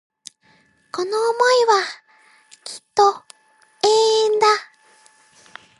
この思いはきっと永遠だ